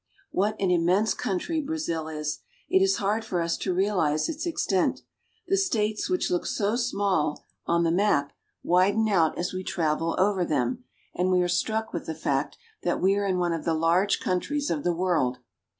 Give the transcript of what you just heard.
What an immense country Brazil is! It is hard for us to realize its extent. The states which look so small on the 250 BRAZIL. /\ map widen out as we travel over thehi, and we are struck with the fact that we are in one of the large countries of the world.